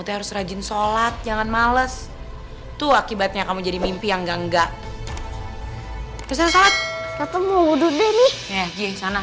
tuh harus rajin sholat jangan males tuh akibatnya kamu jadi mimpi yang enggak enggak